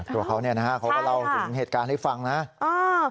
ตัวเขาเนี่ยนะฮะเขาก็เล่าถึงเหตุการณ์ให้ฟังนะ